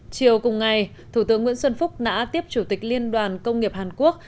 chiều cùng ngày thủ tướng nguyễn xuân phúc đã tiếp chủ tịch liên đoàn công nghiệp hàn quốc